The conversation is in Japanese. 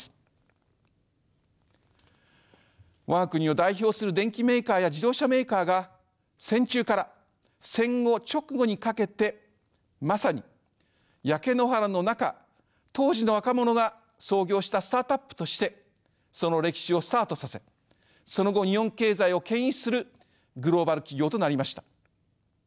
我が国を代表する電機メーカーや自動車メーカーが戦中から戦後直後にかけてまさに焼け野原の中当時の若者が創業したスタートアップとしてその歴史をスタートさせその後日本経済をけん引するグローバル企業となりました。